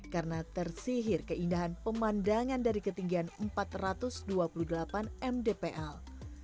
karena tersihir keindahan pemandangan dari ketinggian empat ratus dua puluh delapan mdpl